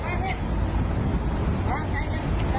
กลับไปอีกนิด